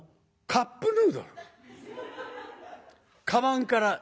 カップヌードルね。